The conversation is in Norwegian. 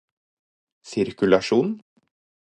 sirkulasjon